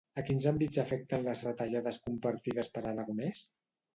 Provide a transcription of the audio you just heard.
A quins àmbits afecten les retallades compartides per Aragonès?